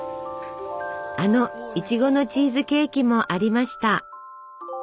あのいちごのチーズケーキもありました！